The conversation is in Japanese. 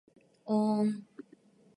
おーん